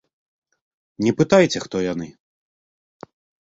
Не пытайце, хто яны.